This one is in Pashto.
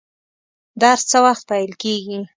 درس څه وخت پیل کیږي؟